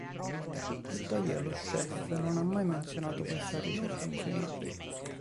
Tuttavia, lo chef non ha mai menzionato questa ricetta nei suoi libri.